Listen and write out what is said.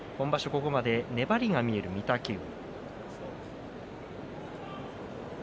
ここまで粘りが見える御嶽海。